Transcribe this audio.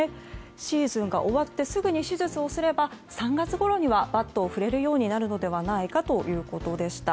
シーズンが終わってすぐに手術をすれば３月ごろにはバットを振れるようになるのではないかということでした。